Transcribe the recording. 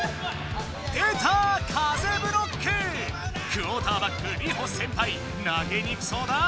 クオーターバックリホ先輩投げにくそうだ！